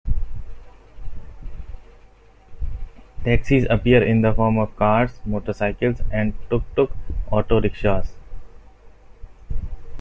Taxis appear in the form of cars, motorcycles, and "tuk-tuk" auto rickshaws.